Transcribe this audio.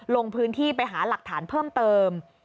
ลงพื้นที่ไปหาหลักฐานเพิ่มเติม